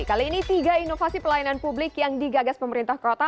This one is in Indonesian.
kali ini tiga inovasi pelayanan publik yang digagas pemerintah kota